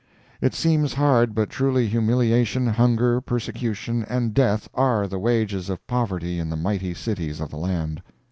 It seems hard, but truly humiliation, hunger, persecution and death are the wages of poverty in the mighty cities of the land.